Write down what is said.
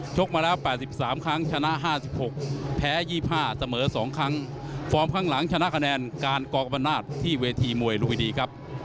กมาแล้ว๘๓ครั้งชนะ๕๖แพ้๒๕เสมอ๒ครั้งฟอร์มข้างหลังชนะคะแนนการกรกรรมนาศที่เวทีมวยลุมวิดีครับ